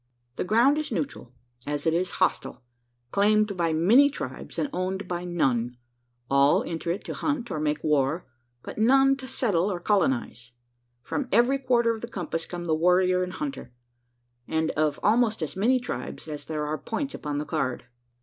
The ground is neutral, as it is hostile claimed by many tribes and owned by none. All enter it to hunt or make war, but none to settle or colonise. From every quarter of the compass come the warrior and hunter; and of almost as many tribes as there are points upon the card.